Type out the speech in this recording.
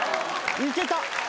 いけた。